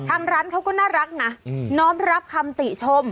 ทางร้านเขาก็น่ารักนะน้อมรับคำติชม